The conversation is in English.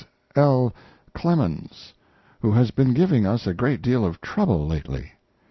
L. Clemens, who has been giving us a great deal of trouble lately.